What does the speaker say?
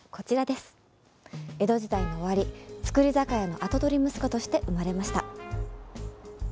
江戸時代の終わり造り酒屋の跡取り息子として生まれました。